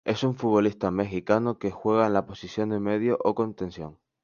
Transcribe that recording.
Es un futbolista mexicano que juega en la posición de medio o contención.